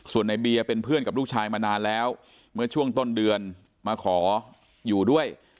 ส่วนในเบียร์เป็นเพื่อนกับลูกชายมานานแล้วเมื่อช่วงต้นเดือนมาขออยู่ด้วย